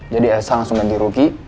jadi elsa langsung ganti rugi